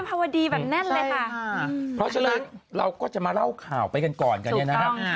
เพราะฉะนั้นเราก็จะมาเล่าข่าวไปกันก่อนกันเนี่ยนะครับ